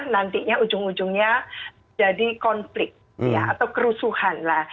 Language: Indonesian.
nantinya ujung ujungnya jadi konflik atau kerusuhan lah